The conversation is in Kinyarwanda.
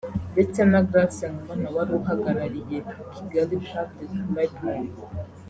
ndetse na Grace Nkubana wari uhagarariye Kigali Public Library